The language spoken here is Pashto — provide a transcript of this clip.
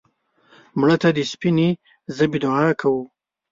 مړه ته د سپینې ژبې دعا کوو